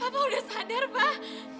papa udah sadar pak